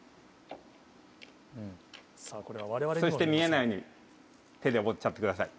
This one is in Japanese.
そして見えないように手で覆っちゃってください。